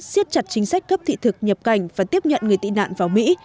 xiết chặt chính sách cấp thị thực nhập cảnh và tiếp nhận người tị nạn vào mỹ